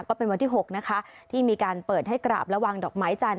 ก็เป็นวันที่๖นะคะที่มีการเปิดให้กราบและวางดอกไม้จันท